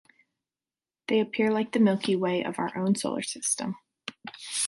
They appear like the Milky Way of our own solar system.